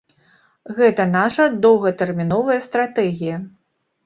Гэта наша доўгатэрміновая стратэгія.